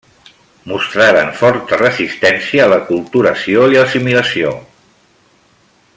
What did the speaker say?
Mostraren forta resistència a l'aculturació i a l'assimilació.